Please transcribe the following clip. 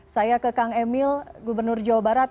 saya ke kang emil gubernur jawa barat